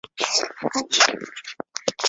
是七星山步道的登山口。